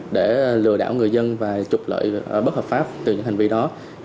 để lừa đảo người dân và trục lợi bất hợp pháp từ những hành vi đó